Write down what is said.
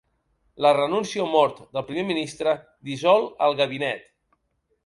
La renúncia o mort del primer ministre dissol el gabinet.